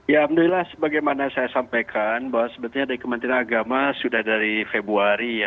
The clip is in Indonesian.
ya alhamdulillah sebagaimana saya sampaikan bahwa sebetulnya dari kementerian agama sudah dari februari ya